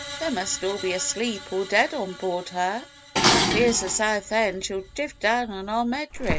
They must all be asleep or dead on board her. If she clears the south end she'll drift down on our Medric!"